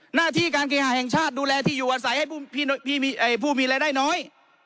หน้าที่การเคหาแห่งชาติดูแลที่อยู่อาศัยให้ผู้มีรายได้น้อย